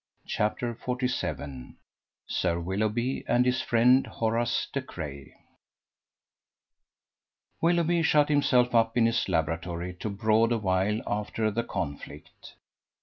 CHAPTER XLVII SIR WILLOUGHBY AND HIS FRIEND HORACE DE CRAYE Willoughby shut himself up in his laboratory to brood awhile after the conflict.